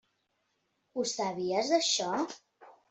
Ho sabies, això?